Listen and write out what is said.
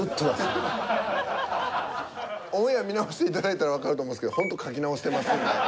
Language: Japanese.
オンエア見直していただいたらわかると思うんですけどほんと書き直してますんで。